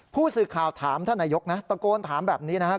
ผู้สื่อข่าวถามท่านนายกนะตะโกนถามแบบนี้นะครับ